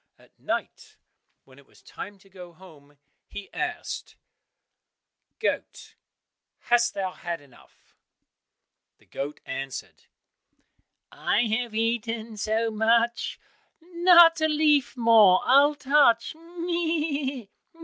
At night when it was time to go home he asked, "Goat, hast thou had enough?" The goat answered, "I have eaten so much, Not a leaf more I'll touch, meh!